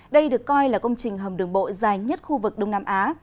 đây được coi là công trình hầm đường bộ dài nhất khu vực đông nam á